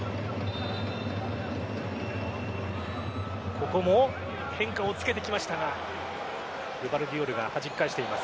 ここも変化をつけてきましたがグヴァルディオルがはじき返しています。